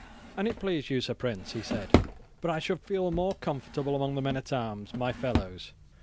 "An it please you, Sir Prince," he said, "but I should feel more comfortable among the men at arms, my fellows.